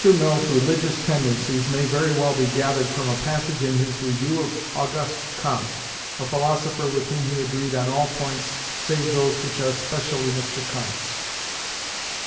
Mill's religious tendencies may very well be gathered from a passage in his review of Auguste Comte, a philosopher with whom he agreed on all points save those which are specially M. Comte's.